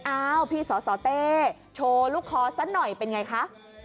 อ้าวพี่สสเต้โชว์ลูกคอสักหน่อยเป็นไงคะ